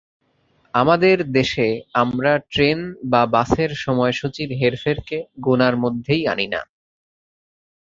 আমাদের দেশে আমরা ট্রেন বা বাসের সময়সূচির হেরফেরকে গোনার মধ্যেই আনি না।